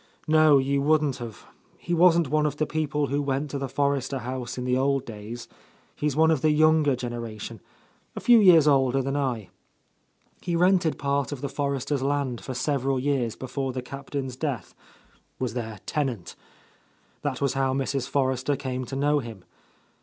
"No, you wouldn't have. He wasn't one of the people who went to the Forrester house in the old days. He's one of the younger genera A Lost Lady tipn, a few years older than I. He rented part of the Forresters' land for several years before the Captain's death, — ^was their tenant. That was how Mrs. Forrester came to know him.